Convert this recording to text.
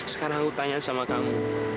sekarang aku tanya sama kamu